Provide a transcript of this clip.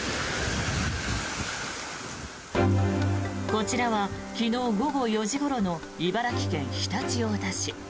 こちらは昨日午後４時ごろの茨城県常陸太田市。